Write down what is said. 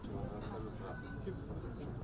đối với văn học nga đang ấm trở lại